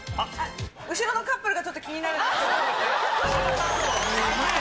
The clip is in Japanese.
後ろのカップルがちょっと気になるんですけど。